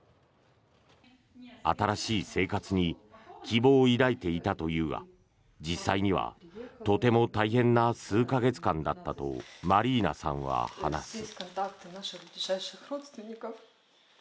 新しい生活に希望を抱いていたというが実際にはとても大変な数か月間だったとマリーナさんは話す。